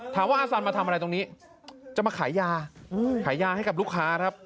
อาสันมาทำอะไรตรงนี้จะมาขายยาขายยาให้กับลูกค้าครับ